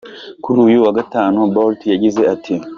Kuri uyu wa gatanu, Bolt yagize ati:.